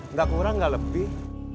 nggak kurang nggak lebih